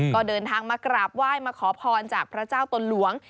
ก็เดินทางมากราบไหว้มาขอพรจากพระเจ้าตนหลวง